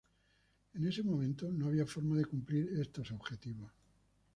En ese momento no había forma de cumplir estos objetivos.